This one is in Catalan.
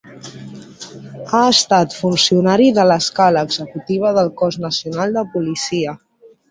Ha estat funcionari de l'escala executiva del Cos Nacional de Policia.